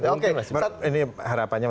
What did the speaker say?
oke ini harapannya